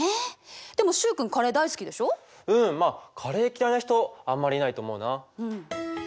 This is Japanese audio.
うんまあカレー嫌いな人あんまりいないと思うな。